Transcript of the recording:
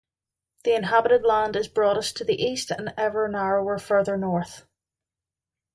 The inhabited land is broadest to the east, and ever narrower further north.